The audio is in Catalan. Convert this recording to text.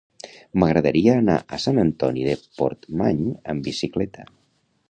M'agradaria anar a Sant Antoni de Portmany amb bicicleta.